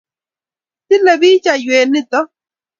Tilei biich aywet nito